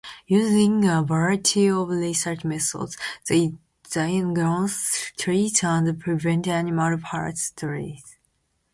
Using a variety of research methods, they diagnose, treat, and prevent animal parasitoses.